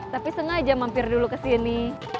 tapi sengaja mampir dulu kesini